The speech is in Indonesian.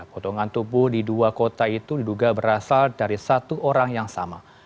potongan tubuh di dua kota itu diduga berasal dari satu orang yang sama